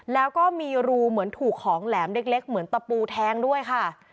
แล้วก็มีรูเหมือนถูกของแหลมเล็กเหมือนตะปูแทงด้วยค่ะ